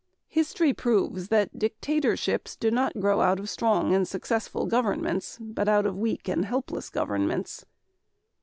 History proves that dictatorships do not grow out of strong and successful governments but out of weak and helpless governments.